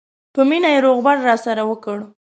په مینه یې روغبړ راسره وکړ.